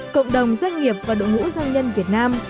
cộng đồng doanh nghiệp và đội ngũ doanh nhân việt nam